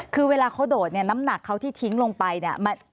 คือเวลาเขาโดดเนี่ยน้ำหนักเขาที่ทิ้งลงไปเนี่ย